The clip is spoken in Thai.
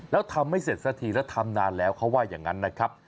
แล้วทำไม่เสร็จสักทีแล้วทำนานแล้วเขาว่าอย่างนั้นนะครับ